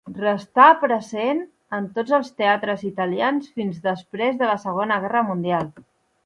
Restà present en tots els teatres italians fins després de la segona guerra mundial.